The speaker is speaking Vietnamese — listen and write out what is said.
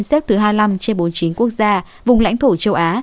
xếp thứ hai mươi năm trên bốn mươi chín quốc gia vùng lãnh thổ châu á